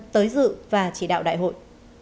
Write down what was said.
tới dự và chỉ đạo đại hội